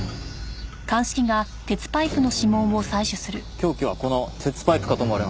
凶器はこの鉄パイプかと思われます。